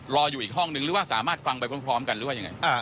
รออยู่อีกห้องนึงหรือว่าสามารถฟังไปพร้อมกันหรือว่ายังไง